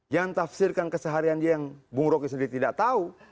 jangan tafsirkan keseharian dia yang bung roky sendiri tidak tahu